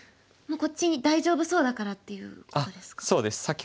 もうこっちに大丈夫そうだからっていうことですか。